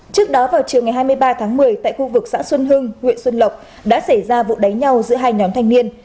trước đó vào chiều ngày hai mươi ba tháng một mươi tại khu vực xã xuân hưng huyện xuân lộc đã xảy ra vụ đánh nhau giữa hai nhóm thanh niên